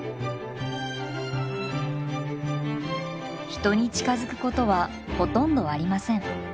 人に近づくことはほとんどありません。